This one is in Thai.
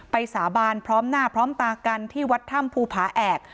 สาบานพร้อมหน้าพร้อมตากันที่วัดถ้ำภูผาแอก